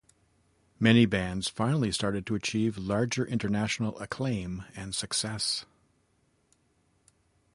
Many bands finally started to achieve larger international acclaim and success.